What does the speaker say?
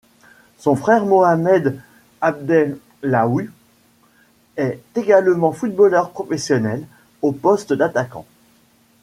Son frère Mohammed Abdellaoue est également footballeur professionnel, au poste d'attaquant.